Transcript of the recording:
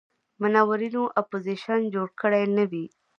منورینو اپوزیشن جوړ کړی نه وي.